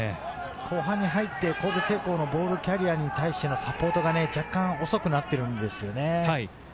後半に入って神戸製鋼のボールキャリアーに対してサポートが、若干遅くなっているんですよね。